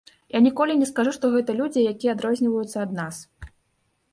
Я ніколі не скажу, што гэта людзі, якія адрозніваюцца ад нас.